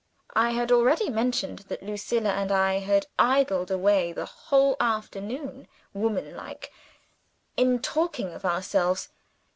I have already mentioned that Lucilla and I had idled away the whole afternoon, woman like, in talking of ourselves.